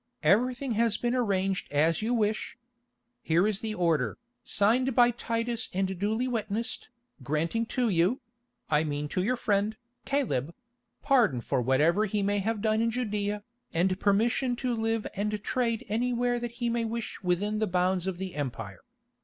Everything has been arranged as you wish. Here is the order, signed by Titus and duly witnessed, granting to you—I mean to your friend, Caleb—pardon for whatever he may have done in Judæa, and permission to live and trade anywhere that he may wish within the bounds of the Empire.